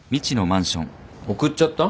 送っちゃった？